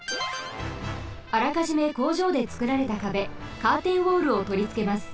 あらかじめ工場でつくられた壁カーテンウォールをとりつけます。